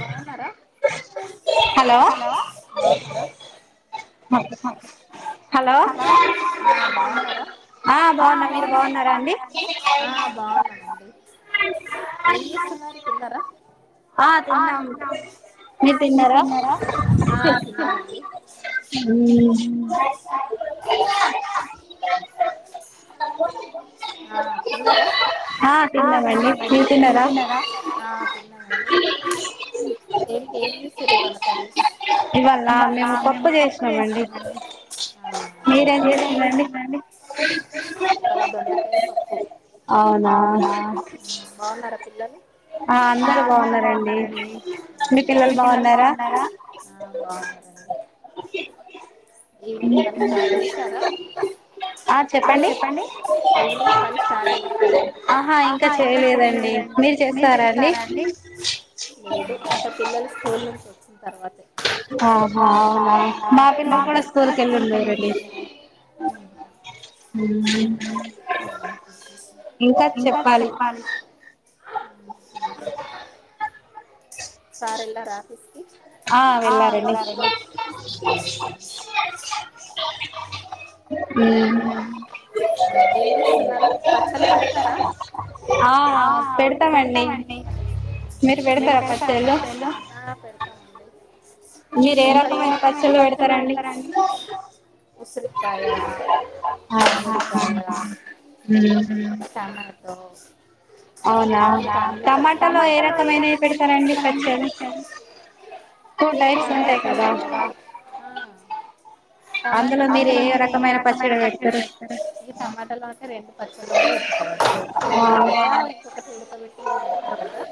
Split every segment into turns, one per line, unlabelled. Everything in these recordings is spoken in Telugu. బాగున్నార హలో, బాగున్నార హలో బాగున్నార, ఆ బాగున్నామండి మీరు బాగున్నారా అండీ, తిన్నారా ఆ తిన్నం, మీరు తిన్నారా, తిన్నం అండీ ఉ ఆ తిన్నారా, ఆ తిన్నం అండీ మీరు తిన్నారా, ఆ తిన్నాండి ఏ ఏం చేస్తూరు, ఇవాళ ఎంచేసిరు కర్రీ ఇవాళ మేము పప్పు చేసినం అండీ మీరు ఏంచేసిరండి ఇవాళ దొండకాయ, పప్పు అవునా బాగున్నారా పిల్లలు, ఆ అందరు బాగున్నారండి, మీ పిల్లలు బాగున్నారా ఆ బాగున్నారండి.
ఆ చెప్పండి ఆహా ఇంకా చేయలేదండి మీరు చేసారా
చేసారా అండి లేదు ఇంకా పిల్లలు స్కూల్ నుంచి వచ్చిన తర్వాతే, ఆహా మా పిల్లలు కూడా స్కూల్ కి వెళ్లిరు లెండి ఉ
ఇంకా చెప్పాలి,
సార్ ఎలారా ఆఫీస్ కి
ఆ వెళ్ళారండి, ఉ ఆ పెడతామండి,
పెడతామండి మీరు పెడతారా పచ్చళ్లు.
మీరు ఏ రకమైన పచ్చళ్లు పెడతారండి.
ఉసిరికాయ, మామిడికాయ హు టమాటో, [unintelligible]
అవునా
టమాటలు ఏ రకమైన పెడతరండి పచ్చళ్ళు, టమాటాలో అందులో మీరు ఏ రకమైన పచ్చడి పెట్టుకుంటారు. ఈ టమాటాలో రెండు పచ్చళ్లు కూడా పెటుకోవచ్చు ఒకటి ఉడకపెటకూడా, ఇంకా ఒకటి ఉడకపెట్టి కూడా పెడతారు, కద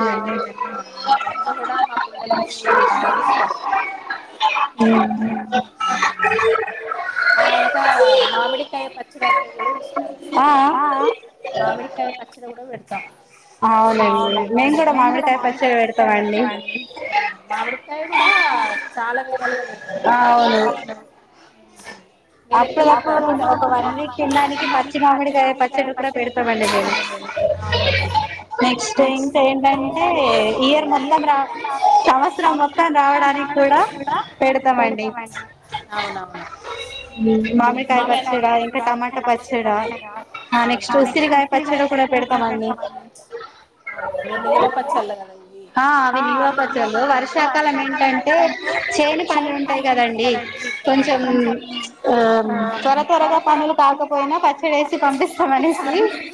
అవునండి పెడతారు రెండు కూడా మా పిల్లలకి బాగా ఇష్టం, ఆ ఇంకా మామిడికాయ పచ్చడి అంటే ఆ మామిడికాయ పచ్చడి కూడా పెడతా అవునండి మేము కూడా మామిడికాయ పచ్చడి పెడతాం అండి మామిడికాయ కూడా చాలా విధాలుగా పెడతారు, కదా ఆ అవును దానికి పచ్చి మామిడి పచ్చ పెడతావు నెక్స్ట్ంగ్స్ ఏంటంటే ఇయ మొత్తం సంవత్సరం మొత్తం రావడానికి కూడా పె ం అవునవును మమిడికాయ పచ్చ ఇంకా టమాట పచ్చ నెక్స్ట్ ఉసిరికాయ పచ్చ కూడా పెడతామండి నిల్వ పచ్చళ్లు కదండి అవి నిల్వపచ్చల్లు వర్షకాలం ఏంటే చే
ఉంటాయి కదండి కొంచెం
త్వర త్వరగా పనులు కాకపోయినా పచ్చడి వేసి పంపిస్తాం అనేసి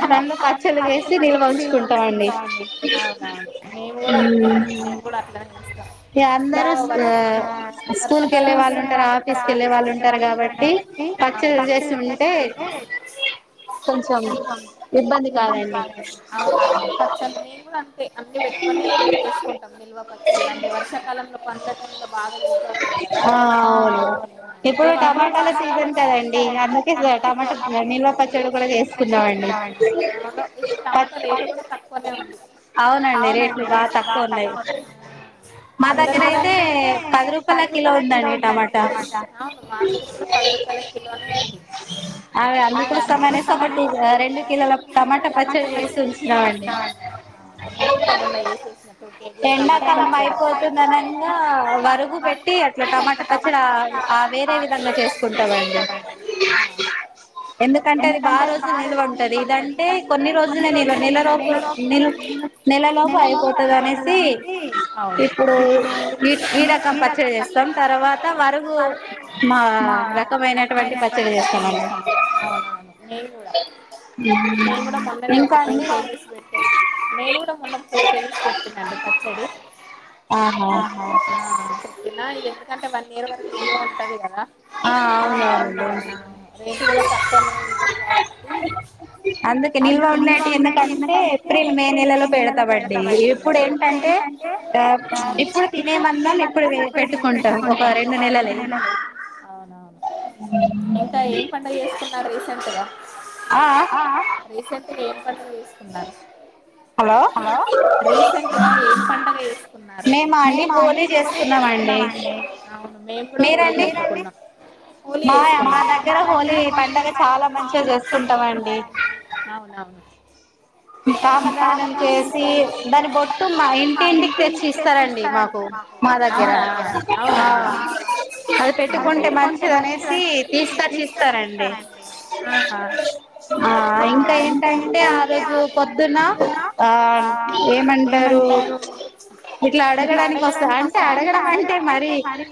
ఎండాకాలంలో పచ్చలు వేసి నిలువంచుకుంటామండి అవునా ఆ మేమ్ కూడా అంతే మేమ్ కూడా అట్లానే చేస్తాం
స్కూల్ కేళ్ళే వాళ్ళు ఉంటారు ఆఫీస్
వాళ్ళు తినే కాబట్టి అవును పచళ్ళు చేసుకుంటే కొంచెం ఇబ్బంది కా అవునవును మే కూడా అంతే అన్ని పెట్టునికుంటాం నిల్వ పచళ్ళు అ వర్షాకాలంలో ప ఆ అవును ఏ వా తీంటండి అందుకే కాబట్టి నీళ పచ్చలు కూడా చేసుకున్నాాంండి ఇప్పుడు టమాటా రేటు కూడా తక్కువనే ఉంది అవునండి రేటు కూడా బాగా తక్కువన్నాయి అందరూ కూడా
అంటే పది రూపాయల కిలో ఉందాండి టమాటా
మా దగ్గర కూడా పది రూపాయల కిలోనే ఉంది అదే అందుకోసం అనే రెండు కిలో టమాటా నే ఉసినూ కేజీ టమాట నెను కూడా మోన్ననే చేసెసా ఎండాకాలం
అరుగు పెట్టి అట్లా టమాటా పచ్చడా
వేరే విధంగా చేసుకుంట ఎందుకంటే అది బాగా రోజు ఉంటంది ఇదంటే కొన్ని రోజులు నను నెలలోక ని నెలలోక అయిపోతుంది అనేసి అవును ఇప్పుడు
ఈ రకం పచ్చడి చేస్తాం తర్వాత వరుగు
మా రకమైనటువంటి పచ్చడిా అవునవును నేను నేను కూడా మొననే ఒక కేజి పెట్టినా నేను కూడా టు కెజిసి పెట్టిన్నాను పచ్చడిహా చెప్పిన ఇ ఎందుకంటే వన్ ఇయర్ వరకు నిల్వ ఉంటంది కదా అవునవునా రేటు కూడా తక్కువ ఉంటంది అందుకే నిల్వ ఉన్నటు ఎందుకంటే ఏప్రిల్ మే నెలలో పెడతామండి ఇప్పుడు ఏంటంటే ఇప్పుడు
అందం ఇప్పుడు పెట్టుకుంటాం ఒక రెండు నెలల
అవునవును ఇంకా ఏం పడుగ చేసుకున్నారు రీసెంట్గా ఆ ఆ రీసెంట్గా ఏం పడుగ చేసుకున్నారు హలో రీసెంట్గా ఏ పండగ వేసున్నారుే మేమా అండి హ చేస్తున్నామండి అవును మేము కూడా హోలి మీరండి హోలి మా దగ్గర హోలి పండగ చాలాకుంటాండి అవునవును
కామదహనం చేసి దాని బొట్టు మా ఇంటింటికి తెచ్చి ఇస్తారండి మాకు మా దగ్గర ఆ అది పెట్టుకుంటే మంచిది అనేసి తీసుకచ్చి ఇస్తారంండి ఆ ఇంకా ఏంటంటే ఆ రోజు పొద్దున్న ఏమంటారు ఇట్లా అడగడానికి వస్తా
శంత అడగడం అంటే మరి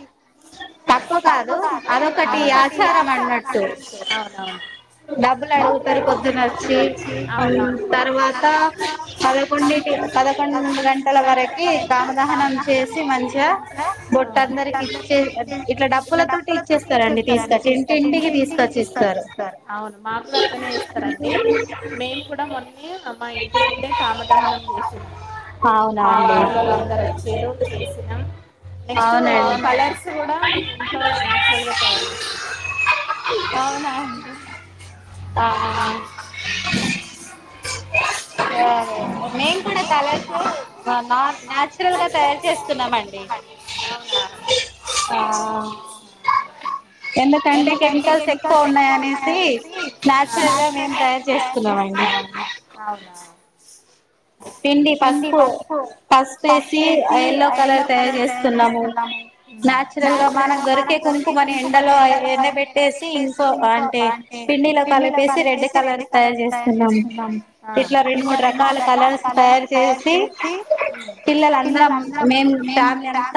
తక్కువ కాదు అరకటి స మాట్లాడుతుారు అవున వచ్చి అవునను
తర్వాత పదకొండిటి పదకొండు గంటల వరకు కామదహనం చేసి మంచి
మంచిగాట్ట ఇట్లా డప్పులతో తీచ్చేస్తారుడి తీసుకొచ్చి ఇంటింటికి తీసుకొచ్చిస్తారు అవును మాకు అర్థనే ఇస్తారుండి మేము కూడా మొన్న మా ఇంటి ముండ కామదహనం చేసినం మా వాడలోళందరు వచ్చేారు చేసి నక్స్ట్ కలర్స్ కూడా మే ఇంట్లోనేచురల్ గా త
మేం కూడా తలర్సు నాచురల్ గా తయారు చేస్తున్నా ఎందుకంటే కెమికల్స్ ఎక్కువ ఉన్నాయ అనేసి నాచురల్గా మేము తయారు చేసుకున్నామ అండి
అవునా
పిండి పసుపు పసుపు వేసి యల్లో కలర్
ఇం క క
తయారు చేసి పిల్లలందరం మేం
డుతు మే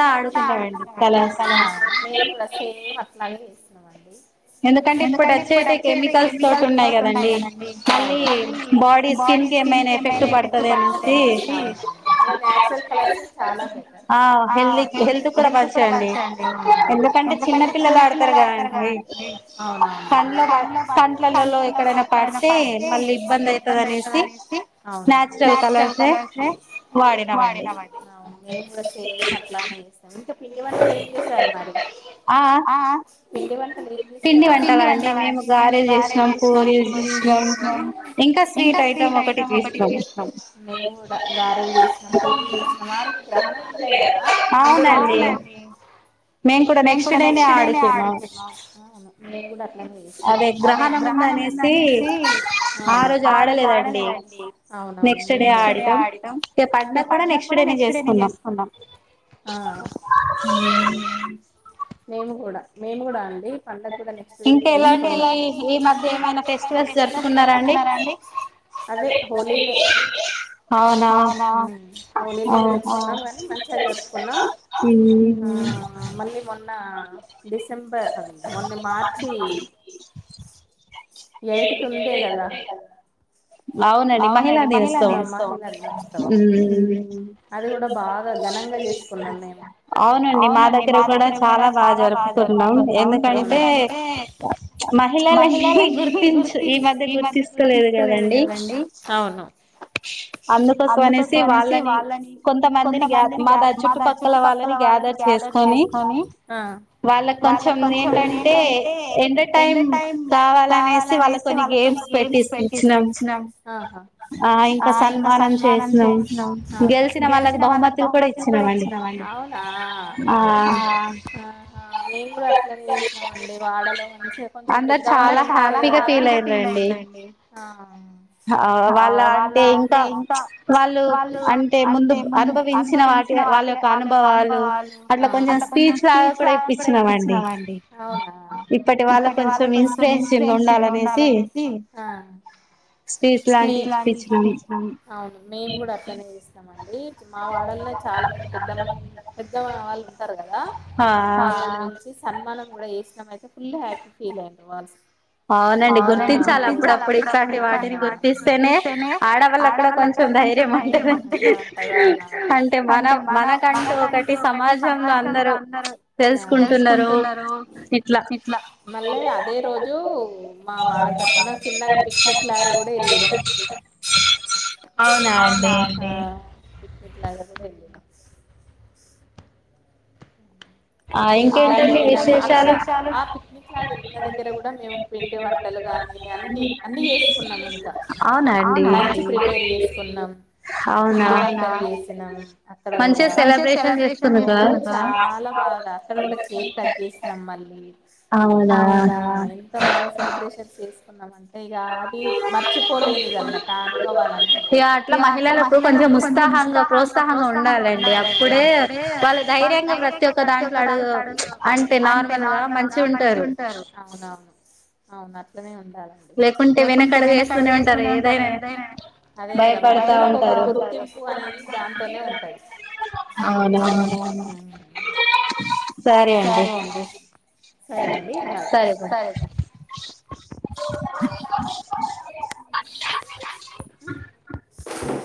సే అట్లా న్నామండి ఎందుకంటే ఇప్పుడు వచ్చియితే కెమికల్స్ తోటి ఉన్నాయి కదండి మళ్ళీ బాడీ స్కిన్ క ఏమైనా ఎఫెక్ట్ పతుందిుర చాల
ఆ హెల్ీ హెల్త్ కూడా బగాయండి ఎందుకంటే చిన్న పిల్లలు ఆడతారు కదండి
అవునావు పంలో పం పిల్లల్లో ఎక్కడైనా పడితే మళ్ళీ ఇబ్బంది అవుతుంది అనేసి అవునా న్చురల్ కలోే వాడిన వాడివు చెయ పట్లాసా పిండి వతలు ఏం చేస్తారు మరి పిండి వలుం చేస్తారు పిండి వంటల అండి మేము గారేజ్ చేసాం కూర తీసాం ఇంకా స్వీట్ ఐటం ఒకటి తీసాం మేము గారేజ్ చేసినాం కూర చే న ఉంటాేగదా మేము కూడా నెక్స్ట్ డే ఆడుతున్నాం అదే గ్రహణ ముంద అనేసి ఆ రోజు ఆడలేదండి అ నెక్స్ట్ డే ఆడట అే పగ కూడా నెక్స్ట్ చేసుకుంటా
హ
మేము కూడా మేము కూడా అండి ే అ మని మంచిగార్ను మళ్ళ మొ ఆ డిసెంబర్ అద మన్న మార్చ్ి ఏయిటికుందేగదా అవునండి మహిళ దినోత్సవం అది కూడా బాగాఘనంగాసుకున్నాం అవునండి మా దగ్గర కూడా చాలా బాగా జరుపుకున్నాం ఎందుకంటే మహిళలు
గుర్తించ ఈ మధ్య గుర్తిస్తలేదు కదా
దండి అవును అందుకోసం అనేసి వాళ్ళని కొంతమందిని గ మా ద చుట్టుపక్కల వాళ్ళని గ్యాదర్ చేసుకొని వాళ్ళకొంచం ఏంటంటే ఎండర్ టైం
అనేసి వాళ్ళ కొన్ని గేమ్స్ పెట్టిస్తుంది
చ్చనం ఆ ఇంకా సన్మాన చేసినం గెలిచిన వాళ్ళ బహుమతులు కూడా ఇచ్చినం అండి అవునా మేము కూడా అట్లనే చేసినమండి వాడలో కొంచం పెద్దవాళ్ళ చాలా హ్యాపీ గా ఫీల్ అయిందండి ఆ వాళ్ళ అంటే ఇంకా వాళ్ళు అంటే ముందు అనుభవించిన వాటి వాళ్ళ యొక్క అనుభవాలు అట్లా కొంచెం స్పీచ్ లాగా కూడా ఇప్పించినవండి ఇప్పటి వాళ్ళ కొంచెం ఇన్స్పిరే ఫ్రెషన్ ఉండాలనేసి స్పీచ్ లాంటివి ఇప్పించాం మేము కూడా అట్లనే చేస్తాం ండి మా వాడల్నే చాలా మంది పెద్ద పెద్ద వాళ్ళు ఉంటారు కదా వాళ్ళని పిలిచి సన్మానం కూడా ఫుల్ హాపీ ఫీల్ అయ్యిండ్రు అవునండి గుర్తించాలి అప్పుడప్పుడు ఇట్ంటి వాటిని గుర్తిస్తేనే ఆడవాళ్ళ కూడ కొంచెం ధైర్యం ఉంటుంది అంటే మన మదటంటూ ఒకటి సమాజంలో అందరు తెలుసుకుంటున్నారు ఇట్లా మళ్ళ అదే రోజు జు మా వాళ్ళ తరపున చిన్నగా పిక్నిక్ లాగా కూడా వెళ్ళిననా ఇట్లాంటప్పుడు ఇకేంటండీ విశేషాలు ఇంటి దెగ్గర కూడా మేము పిండి వంటలు కానీ అన్ని అన్ని చేసుకున్నామిగా లంచ్ ప్రిపేర్ చేసుకున్నం మంచిగా సెలెబ్రేషన్స్ చేస్కైన్నారు కదా అవును చాల అక్కడ కూడా కేక్ కట్ చేస్తాం మళ్ళీ అవునా ఎంత బాగా సెలబ్రేషన్ చేస్ డి ఇక అది మర్చిపోలేనిదన్నమాట ఆ అనుభవలు ఇక అట్లా మహిళలకు కొంచెం ఉత్సాహంగా ప్రోత్సాహంగా ఉండాలండి అప్పుడే వాళ్ళ ధైర్యయంం ప్రతి ఒక్ ట్లాడు అంటే నార్మల్గా మంచి ఉంటారు అవునవు [unintelligible] నే ఉంది లేకుంటే వెనకడుగు వస్తూనే అదే కదా మ అనేది దాంతోనే ఉంటాయి అవు సరే అండి సరే అండి సరే అ